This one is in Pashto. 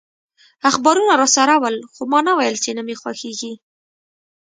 اخبارونه راسره ول، خو ما نه ویل چي نه مي خوښیږي.